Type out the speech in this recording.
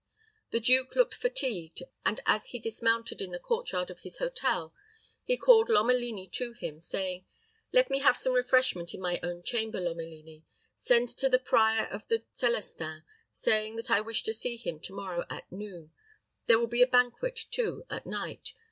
The duke looked fatigued; and, as he dismounted in the court yard of his hotel, he called Lomelini to him, saying, "Let me have some refreshment in my own chamber, Lomelini. Send to the prior of the Celestins, saying that I wish to see him to morrow at noon. There will be a banquet, too, at night.